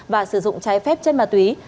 và sử dụng trái phép chất ma túy